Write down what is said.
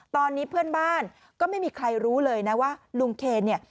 ตอนนี้เพื่อนบ้านก็ไม่มีใครรู้เลยนะว่าลุงเคนเนี่ย